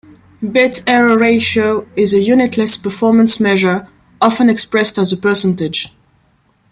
Bit error ratio is a unitless performance measure, often expressed as a percentage.